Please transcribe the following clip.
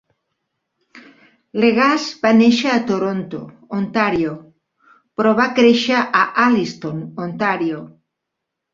Legace va néixer a Toronto, Ontario, però va créixer a Alliston, Ontario.